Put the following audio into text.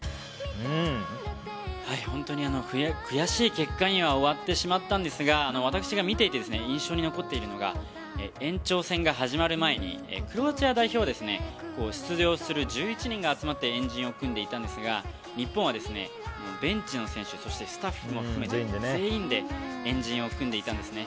本当に悔しい結果には終わってしまったんですが私が見ていて印象に残っているのが延長戦が始まる前にクロアチア代表は出場する１１人が集まって円陣を組んでいたんですが日本はベンチの選手スタッフも含めて全員で円陣を組んでいたんですね。